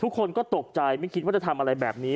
ทุกคนก็ตกใจไม่คิดว่าจะทำอะไรแบบนี้